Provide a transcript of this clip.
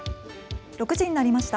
６時になりました。